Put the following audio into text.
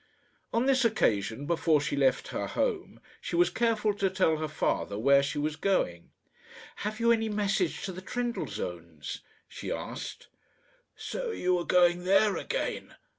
On this occasion, before she left her home, she was careful to tell her father where she was going. "Have you any message to the Trendellsohns?" she asked. "So you are going there again?"